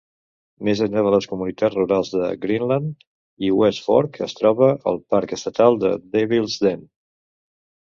Més enllà de les comunitats rurals de Greenland i West Fork es troba el Parc Estatal de Devil's Den.